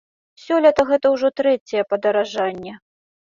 Сёлета гэта ўжо трэцяе падаражанне.